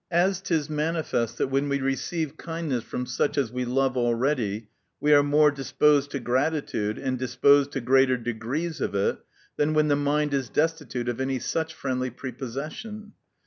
As it is manifest, that when we receive kindness from such as wre love already, we are more disposed to gratitude, and disposed to greater degrees of it than when the mind is destitute of any such friendly pre 300 THE NATURE OF VIRTUE. possession.